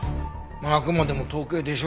あくまでも統計でしょ？